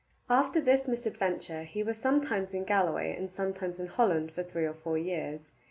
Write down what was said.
After this misadventure he was sometimes in Galloway and sometimes in Holland for three or four years.